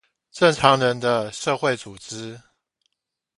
正常人的社會組織